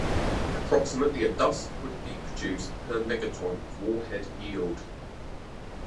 Approximately of dust would be produced per megaton of warhead yield.